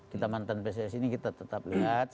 kita mantan pssi ini kita tetap lihat